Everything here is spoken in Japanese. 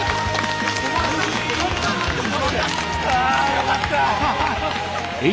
よかった！